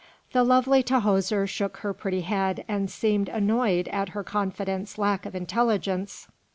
The lovely Tahoser shook her pretty head and seemed annoyed at her confidante's lack of intelligence.